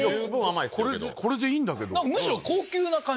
これでいいんだけど。